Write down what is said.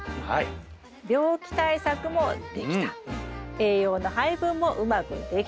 栄養の配分もうまくできた。